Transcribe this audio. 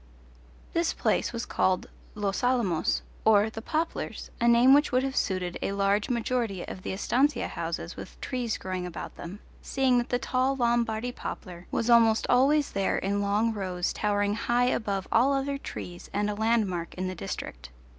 This place was called Los Alamos, or The Poplars, a name which would have suited a large majority of the estancia houses with trees growing about them, seeing that the tall Lombardy poplar was almost always there in long rows towering high above all other trees and a landmark in the district.